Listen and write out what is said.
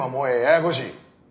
ややこしい。